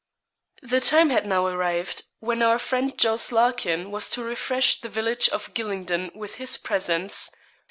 The time had now arrived when our friend Jos. Larkin was to refresh the village of Gylingden with his presence.